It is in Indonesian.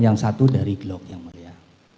yang satu dari glock yang mulia